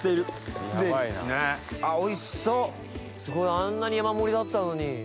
あんなに山盛りだったのに。